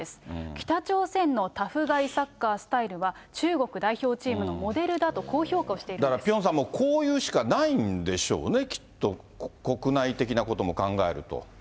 北朝鮮のタフガイサッカースタイルは中国代表チームのモデルだとだからピョンさん、こう言うしかないんでしょうね、きっと、国内的なことも考えると。